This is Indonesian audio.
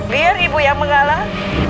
biar ibu yang mengalah